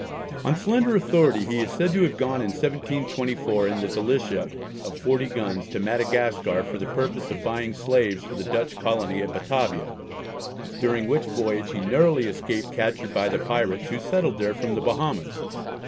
On slender authority he is said to have gone in 1724, in the Delicia of 40 guns, to Madagascar for the purpose of buying slaves for the Dutch Colony at Batavia, during which voyage he narrowly escaped capture by the pirates who had settled there from the Bahamas.